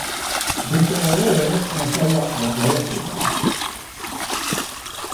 Bisto in lêzer? En sa ja, wat lêsto dan?